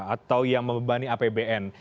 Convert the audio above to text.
atau yang membebani apbn